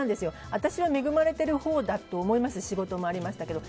私は恵まれているほうだと思います、仕事もありましたから。